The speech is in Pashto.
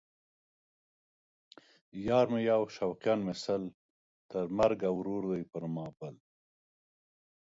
یار مې یو شوقیان مې سل ـ تر مرګه ورور دی پر ما بل